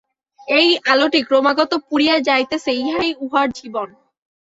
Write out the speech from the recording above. এই আলোটি ক্রমাগত পুড়িয়া যাইতেছে, ইহাই উহার জীবন।